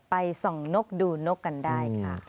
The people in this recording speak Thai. ไปส่องนกดูนกกันได้ค่ะ